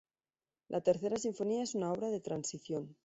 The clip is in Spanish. La Tercera Sinfonía es una obra de transición.